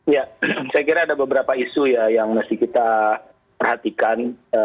ya saya kira ada beberapa isu ya yang mesti kita perhatikan